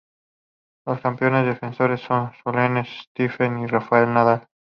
Los campeones defensores son Sloane Stephens y Rafael Nadal.